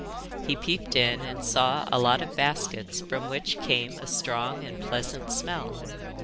He peeped in and saw a lot of baskets from which came a strong and pleasant smell.